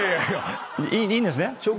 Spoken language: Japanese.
いいんですね？